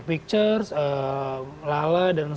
pictures lala dan sebagainya